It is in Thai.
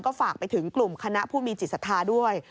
ก็ฝากไปถึงกลุ่มคณะผู้มีจิตศรัทธาด้วย